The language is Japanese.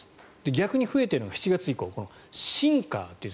逆に増えてきているのが７月以降、シンカー。